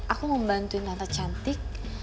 aku membantuin tante cantik